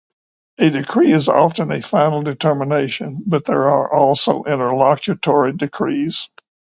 A decree is often a final determination, but there are also interlocutory decrees.